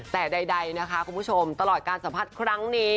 แต่ใดนะคะคุณผู้ชมตลอดการสัมผัสครั้งนี้